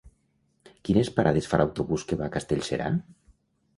Quines parades fa l'autobús que va a Castellserà?